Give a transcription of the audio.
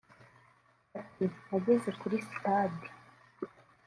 Ati “Nageze kuri sitade